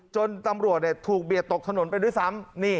จนตำรวจถูกเบียดตกถนนไปด้วยซ้ำ